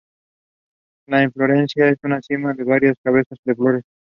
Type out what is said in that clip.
La inflorescencia es una cima de varias cabezas de flores.